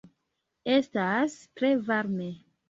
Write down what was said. Estas tre varme.